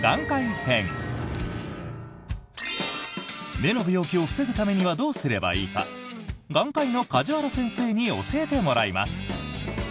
目の病気を防ぐためにはどうすればいいか眼科医の梶原先生に教えてもらいます。